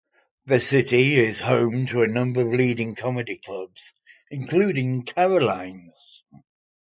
The city is home to a number of leading comedy clubs including Caroline's.